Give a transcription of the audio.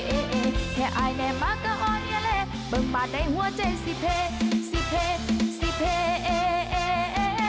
แค่อายแน่มากก็อ่อนเยอะเลยบึงบาดได้หัวใจสิเทสิเทสิเท